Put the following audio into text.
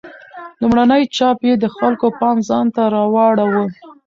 لومړنی چاپ یې د خلکو پام ځانته راواړاوه.